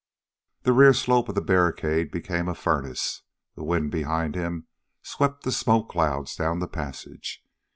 The rear slope of the barricade became a furnace; the wind behind him swept the smoke clouds down the passage.